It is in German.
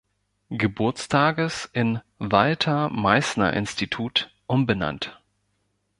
Geburtstages in "Walther-Meißner-Institut" umbenannt.